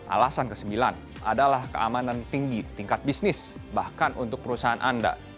alasan ke sembilan adalah keamanan tinggi tingkat bisnis bahkan untuk perusahaan anda